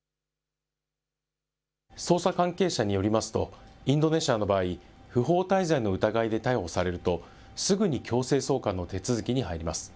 捜査関係者によりますと、インドネシアの場合、不法滞在の疑いで逮捕されると、すぐに強制送還の手続きに入ります。